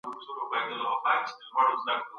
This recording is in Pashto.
خدمات د اقتصاد مهمه برخه ګڼل کیږي.